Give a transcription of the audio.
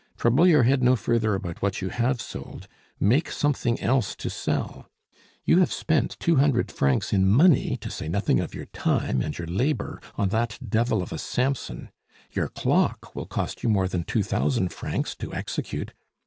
"Trouble your head no further about what you have sold; make something else to sell. You have spent two hundred francs in money, to say nothing of your time and your labor, on that devil of a Samson. Your clock will cost you more than two thousand francs to execute.